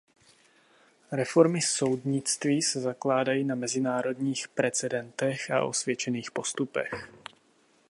Reformy soudnictví se zakládají na mezinárodních precedentech a osvědčených postupech.